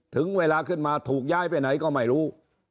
ถึงเวลาขึ้นมาถูกย้ายไปไหนก็ไม่รู้